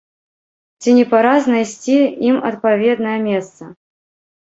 Ці не пара знайсці ім адпаведнае месца?